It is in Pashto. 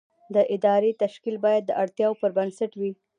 د ادارې تشکیل باید د اړتیاوو پر بنسټ وي.